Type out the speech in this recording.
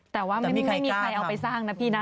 แต่ว่าไม่มีใครเอาไปสร้างนะพี่นะ